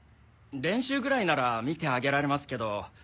練習ぐらいならみてあげられますけど。